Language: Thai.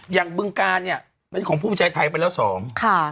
อย่างบึงกานเนี่ยเป็นของภูมิใจไทยไปแล้วสอง